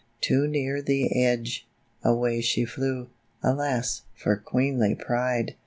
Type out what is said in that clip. Too near the edge, away she flew ; Alas, for queenly pride